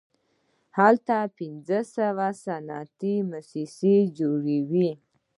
هلته پنځه سوه صنعتي موسسې موجودې وې